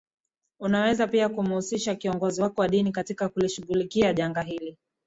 Unaweza pia kumhusisha kiongozi wako wa dini katika kulishughulikia janga hili